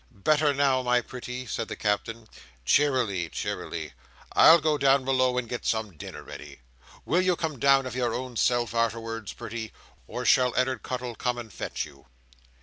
"Better now, my pretty!" said the Captain. "Cheerily, cheerily, I'll go down below, and get some dinner ready. Will you come down of your own self, arterwards, pretty, or shall Ed'ard Cuttle come and fetch you?"